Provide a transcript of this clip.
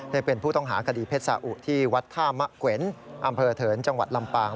เป็นผู้ต้องหาคดีเพชรสาอุที่วัดท่ามะเกวนอำเภอเถินจังหวัดลำปาง